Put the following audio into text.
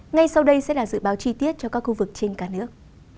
ngay sau đây sẽ là dự báo chi tiết cho các khu vực trên cả nước